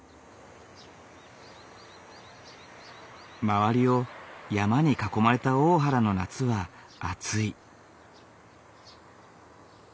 周りを山に囲まれた大原の夏は暑い。